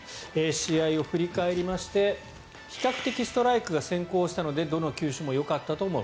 試合を振り返りまして比較的ストライクが先行したのでどの球種もよかったと思う。